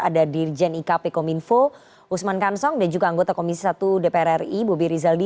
ada dirjen ikp kominfo usman kansong dan juga anggota komisi satu dpr ri bobi rizaldi